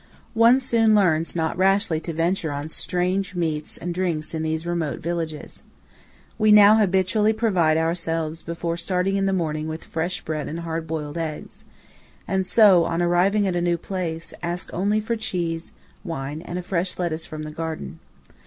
One soon learns not rashly to venture on strange meats and drinks in these remote villages. We now habitually provide ourselves before starting in the morning with fresh bread and hard boiled eggs; and so, on arriving at a new place, ask only for cheese, wine, and a fresh lettuce from the garden.